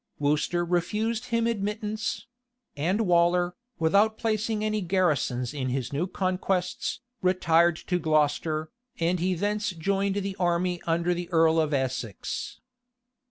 Worcester refused him admittance; and Waller, without placing any garrisons in his new conquests, retired to Gloucester, and he thence joined the army under the earl of Essex.